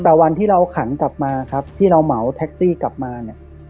แต่วันที่เราขันกลับมาครับที่เราเหมาแท็กซี่กลับมาเนี่ย